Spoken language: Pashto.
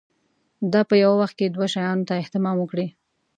دا په یوه وخت کې دوو شیانو ته اهتمام وکړي.